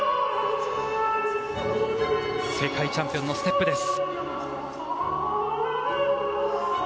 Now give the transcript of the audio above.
世界チャンピオンのステップです。